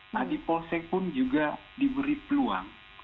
lagi polsek pun juga diberi peluang